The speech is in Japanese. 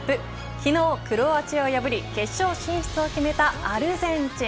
昨日、クロアチアを破り決勝進出を決めたアルゼンチン。